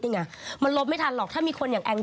พี่หนิงมาบ่อยนะคะชอบเห็นมั้ยดูมีสาระหน่อย